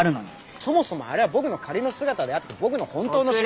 そもそもあれは僕の仮の姿であって僕の本当の仕事では。